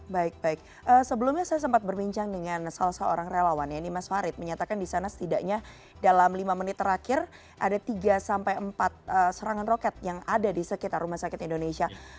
baik baik sebelumnya saya sempat berbincang dengan salah seorang relawan ya ini mas farid menyatakan di sana setidaknya dalam lima menit terakhir ada tiga sampai empat serangan roket yang ada di sekitar rumah sakit indonesia